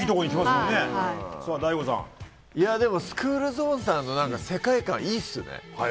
スクールゾーンさんの世界観、いいですよね。